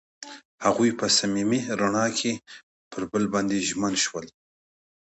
هغوی په صمیمي رڼا کې پر بل باندې ژمن شول.